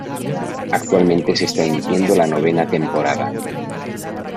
Actualmente se está emitiendo la novena temporada.